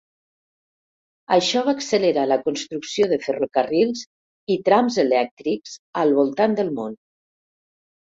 Això va accelerar la construcció de ferrocarrils i trams elèctrics al voltant del món.